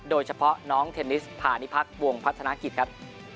โดยเฉพาะน้องเทนนิสพานิพักษ์วงพัฒนากิจครับ